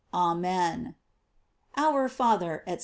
Amen. Our Father, &c.